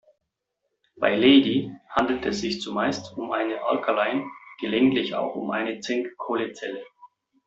Bei Lady handelt es sich zumeist um eine Alkaline-, gelegentlich auch um eine Zink-Kohle-Zelle.